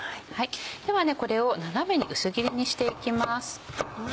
ではこれを斜めに薄切りにしていきます。